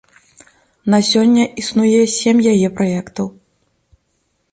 На сёння існуе сем яе праектаў.